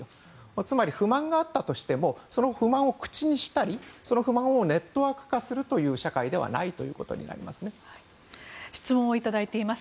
つまり不満があったとしてもその不満を口にしたりその不満をネットワーク化する社会ではないことになります。